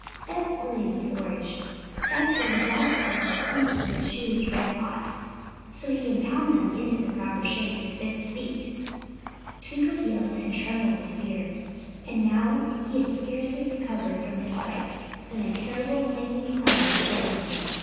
"That's only the forge. That's where the blacksmith heats the shoes red hot, so he can pound them into the proper shape to fit the feet." Twinkleheels had trembled with fear. And now he had scarcely recovered from his fright when a terrible clanging clatter startled him.